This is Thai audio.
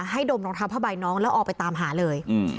ให้ดมน้องท้าพระบายน้องแล้วออกไปตามหาเลยอืม